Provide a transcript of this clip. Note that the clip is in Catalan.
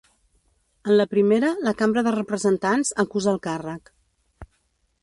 En la primera, la cambra de representants acusa el càrrec.